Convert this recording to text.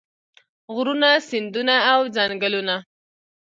غرونه سیندونه او ځنګلونه.